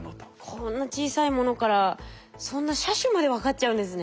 こんな小さいものからそんな車種まで分かっちゃうんですね。